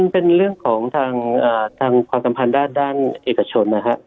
เป็นเรื่องของทางความสัมพันธ์ด้านเอกชนนะฮะ